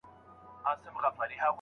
نقيبه لونگيه دا خبره دې سهې ده